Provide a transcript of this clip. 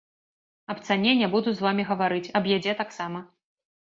Аб цане не буду з вамі гаварыць, аб ядзе таксама.